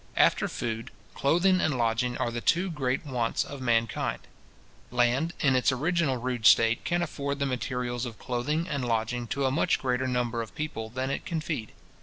After food, clothing and lodging are the two great wants of mankind. Land, in its original rude state, can afford the materials of clothing and lodging to a much greater number of people than it can feed.